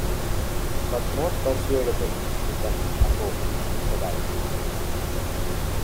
"But more persuadable we can, I hope," said I.